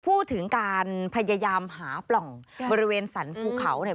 พูดถึงการพยายามหาปล่องบริเวณสรรภูเขาเนี่ย